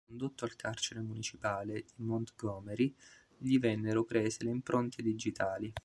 Condotto al carcere municipale di Montgomery gli vennero prese le impronte digitali.